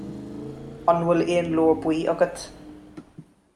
An bhfuil aon leabhar buí agat